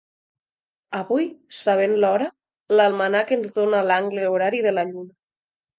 Avui, sabent l'hora, l'almanac ens dóna l'angle horari de la Lluna.